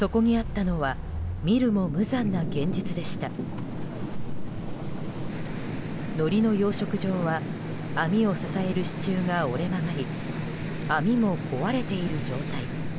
のりの養殖場は網を支える支柱が折れ曲がり網も壊れている状態。